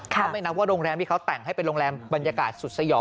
เขาไม่นับว่าโรงแรมที่เขาแต่งให้เป็นโรงแรมบรรยากาศสุดสยอง